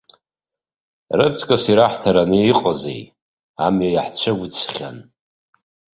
Рыцкыс ираҳҭаран иҟазеи, амҩа иаҳцәықәӡхьан.